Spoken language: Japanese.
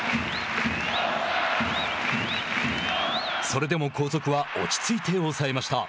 それでも後続は落ち着いて抑えました。